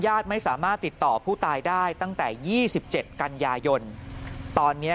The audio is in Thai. ญาติไม่สามารถติดต่อผู้ตายได้ตั้งแต่๒๗กันยายนต์ตอนนี้